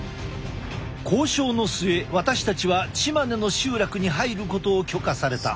交渉の末私たちはチマネの集落に入ることを許可された。